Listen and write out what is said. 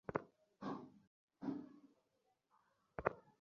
হাতের তালুতে চোখ মুছতে মুছতে চলে গেল দূরে, মিশে গেল মানুষের স্রোতে।